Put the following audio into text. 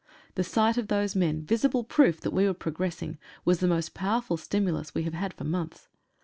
The sight of those men, — visible proof that we were progressing, was the most powerful stimulus we have had for months.